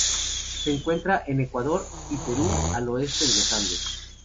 Se encuentra en Ecuador y Perú al oeste de los Andes.